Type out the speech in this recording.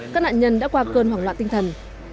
các nạn nhân đã qua cơn hoảng loạn tinh thần